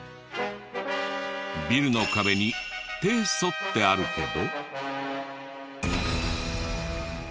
ビルの壁に「定礎」ってあるけど。